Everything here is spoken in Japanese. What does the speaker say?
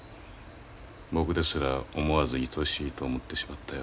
僕ですら思わずいとしいと思ってしまったよ。